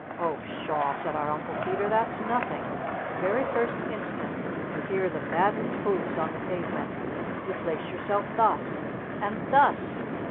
"Oh pshaw!" said our Uncle Peter. "That's nothing! The very first instant you hear the maddened hoofs on the pavement you place yourself thus! And THUS!